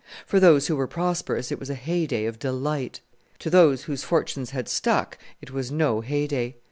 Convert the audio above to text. For those who were prosperous it was a heyday of delight; to those whose fortunes had stuck it was no heyday.